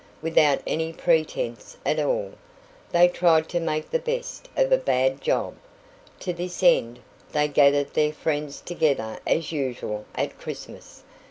Without any pretence at all, they tried to make the best of a bad job. To this end, they gathered their friends together as usual at Christmas.